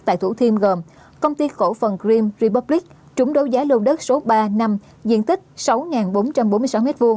tại thủ thiêm gồm công ty khổ phần grimm republic trúng đấu giá lô đất số ba năm diện tích sáu bốn trăm bốn mươi sáu m hai